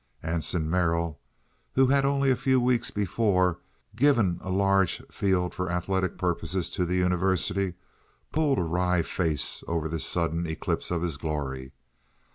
Anson Merrill, who had only a few weeks before given a large field for athletic purposes to the University, pulled a wry face over this sudden eclipse of his glory.